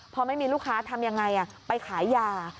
พอไม่มีลูกค้าทำยังไงไปขายยา